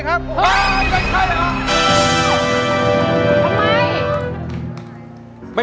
ใช้